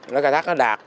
nó cài thác nó đạt